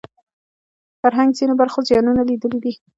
فرهنګ ځینو برخو زیانونه لیدلي دي